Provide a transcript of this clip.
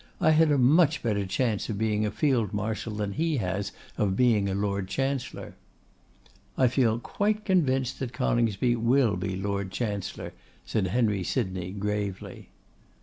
I had a much better chance of being a field marshal than he has of being a Lord Chancellor.' 'I feel quite convinced that Coningsby will be Lord Chancellor,' said Henry Sydney, gravely.